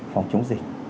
phòng chống dịch